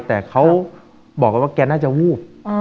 แต่เขาบอกกันว่าแกน่าจะวูบ